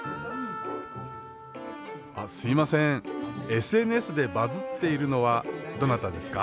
あっすみませんＳＮＳでバズっているのはどなたですか？